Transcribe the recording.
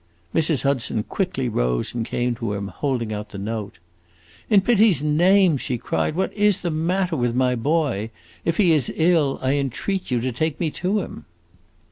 Mrs. Hudson quickly rose and came to him, holding out the note. "In pity's name," she cried, "what is the matter with my boy? If he is ill, I entreat you to take me to him!"